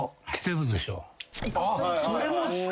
それもっすか。